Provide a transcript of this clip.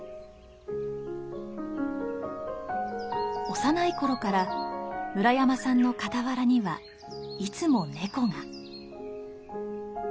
幼い頃から村山さんの傍らにはいつも猫が。